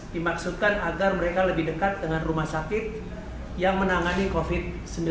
dimaksudkan agar mereka lebih dekat dengan rumah sakit yang menangani covid sembilan belas